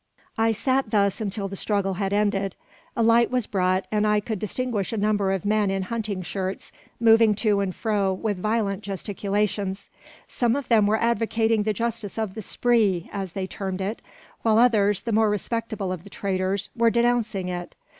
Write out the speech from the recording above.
I sat thus till the struggle had ended. A light was brought, and I could distinguish a number of men in hunting shirts moving to and fro with violent gesticulations. Some of them were advocating the justice of the "spree," as they termed it; while others, the more respectable of the traders, were denouncing it.